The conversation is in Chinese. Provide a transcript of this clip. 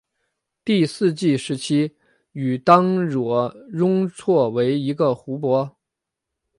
第四纪时期与当惹雍错为一个湖泊。